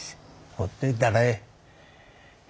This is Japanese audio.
ほっといたらええ。